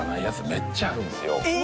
めっちゃあるんですよえ！